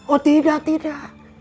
oh tidak tidak